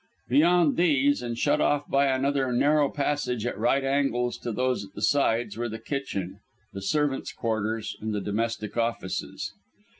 Beyond these, and shut off by another narrow passage at right angles to those at the sides, were the kitchen, the servants' quarters, and the domestic offices.